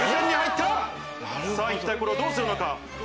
一体これをどうするのか？